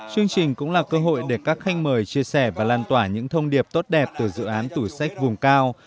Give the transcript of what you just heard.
chương trình cũng là cơ hội để các khen mời chia sẻ và lan tỏa những thông điệp tốt đẹp từ dự án tủ sách vùng cao